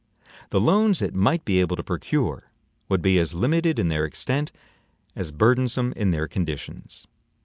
The loans it might be able to procure would be as limited in their extent as burdensome in their conditions.